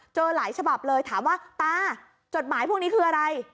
หลายฉบับเลยถามว่าตาจดหมายพวกนี้คืออะไร